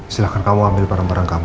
silahkan kamu ambil barang barang kamu